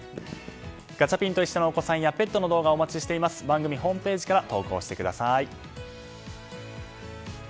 ガチャピンといっしょ！のお子さんやペットの動画を番組ホームページから投稿してください。